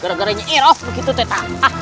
gara gara nyir oh begitu teta